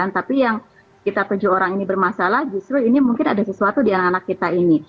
tapi yang kita tujuh orang ini bermasalah justru ini mungkin ada sesuatu di anak anak kita ini